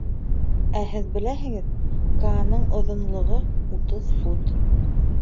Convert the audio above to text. Ә һеҙ беләһегеҙ, Кааның оҙонлоғо — утыҙ фут.